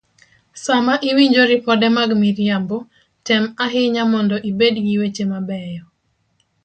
Sama iwinjo ripode mag miriambo, tem ahinya mondo ibed gi weche mabeyo